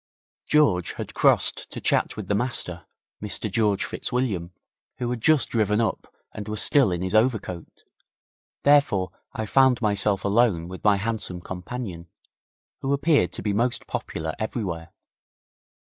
George had crossed to chat with the Master, Mr George Fitzwilliam, who had just driven up and was still in his overcoat, therefore I found myself alone with my handsome companion, who appeared to be most popular everywhere.